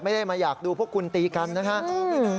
ไม่ได้มาอยากดูพวกคุณตีกันนะครับ